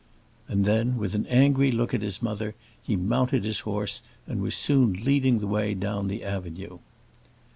And then, with an angry look at his mother, he mounted his horse, and was soon leading the way down the avenue.